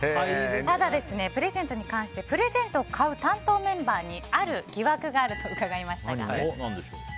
プレゼントに関してプレゼントを買う担当メンバーにある疑惑があると伺いました。